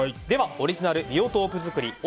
では、オリジナルビオトープ作り